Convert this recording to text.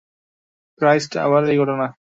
Christ, আবার এই ঘটনা!